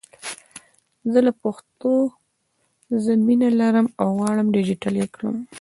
زه له پښتو زه مینه لرم او غواړم ډېجیټل یې کړم!